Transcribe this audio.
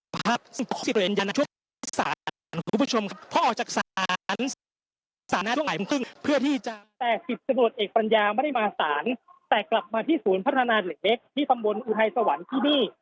ครับสิทธิ์ตรวจเอกปัญญาไม่ได้มาสารแต่กลับมาที่ศูนย์พัฒนาเล็กเล็กที่สำบวนอุทัยสวรรค์ที่นี่